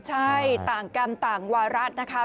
ใช่ต่างกรรมต่างวาระนะคะ